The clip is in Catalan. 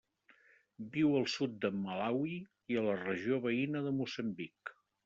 Viu al sud de Malawi i a la regió veïna de Moçambic.